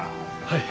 はい。